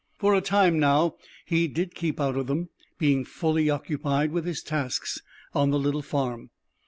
For a time now he did keep out of them, being fully occupied with his tasks in the little farm.